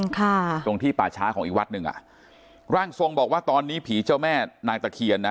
ค่ะตรงที่ป่าช้าของอีกวัดหนึ่งอ่ะร่างทรงบอกว่าตอนนี้ผีเจ้าแม่นางตะเคียนนะ